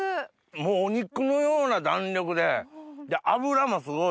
もうお肉のような弾力で脂もすごい。